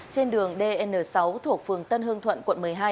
trên đường dn sáu thuộc phường tân hương thuận quận một mươi hai